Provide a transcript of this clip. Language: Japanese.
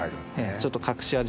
ちょっと隠し味。